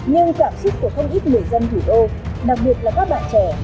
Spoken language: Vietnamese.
nhưng cảm xúc của không ít người dân thủ đô đặc biệt là các bạn trẻ